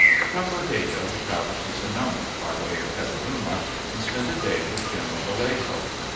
From Bodega we traveled to Sonoma, by way of Petaluma, and spent a day with General Vallejo.